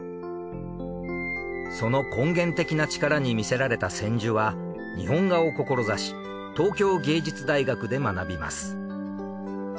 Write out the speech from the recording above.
その根源的な力に魅せられた千住は日本画を志し東京藝術大学で学びます。